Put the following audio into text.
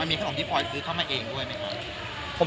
มีขนมที่พลอยซื้อเข้ามาเองด้วยไหมครับ